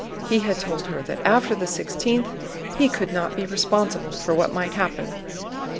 He had told her that after the sixteenth he could not be responsible for what might happen.